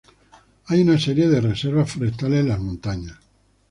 Hay una serie de reservas forestales en las montañas.